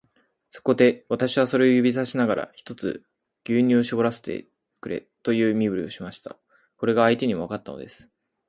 そこで、私はそれを指さしながら、ひとつ牛乳をしぼらせてくれという身振りをしました。これが相手にもわかったのです。